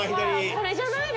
これじゃない？